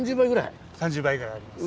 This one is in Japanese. ３０倍ぐらいあります。